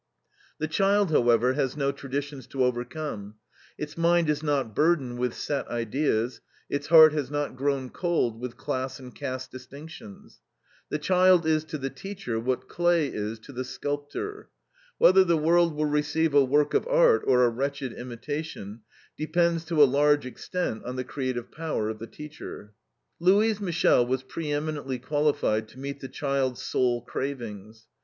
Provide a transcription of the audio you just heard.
The child, however, has no traditions to overcome. Its mind is not burdened with set ideas, its heart has not grown cold with class and caste distinctions. The child is to the teacher what clay is to the sculptor. Whether the world will receive a work of art or a wretched imitation, depends to a large extent on the creative power of the teacher. Louise Michel was pre eminently qualified to meet the child's soul cravings.